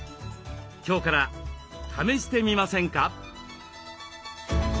今日から試してみませんか？